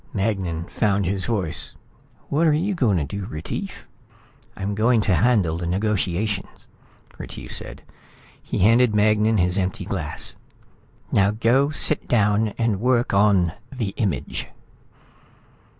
Magnan found his voice. "What are you going to do, Retief?" "I'm going to handle the negotiation," Retief said. He handed Magnan his empty glass. "Now go sit down and work on the Image."